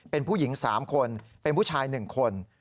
เป็นผู้หญิง๓คนเป็นผู้ชาย๑คน